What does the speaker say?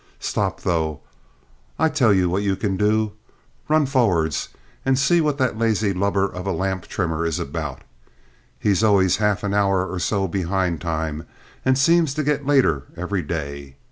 "Stop, though, I tell you what you can do. Run forwards and see what that lazy lubber of a lamp trimmer is about. He's always half an hour or so behind time, and seems to get later every day.